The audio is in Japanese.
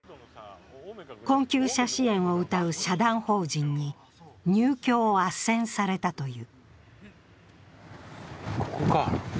困窮者支援をうたう社団法人に入居をあっせんされたという。